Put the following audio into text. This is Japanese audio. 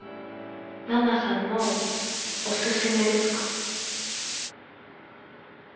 奈々さんのおすすめですか？